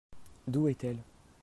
D'où est-elle ?